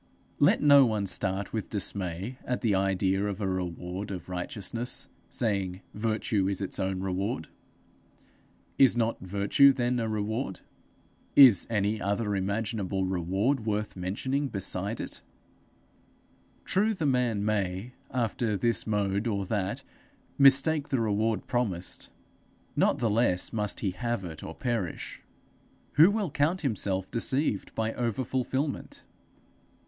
Let no one start with dismay at the idea of a reward of righteousness, saying virtue is its own reward. Is not virtue then a reward? Is any other imaginable reward worth mentioning beside it? True, the man may, after this mode or that, mistake the reward promised; not the less must he have it, or perish. Who will count himself deceived by overfulfilment?